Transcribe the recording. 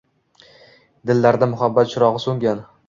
Dillarda muhabbat chirogʻi soʻngan.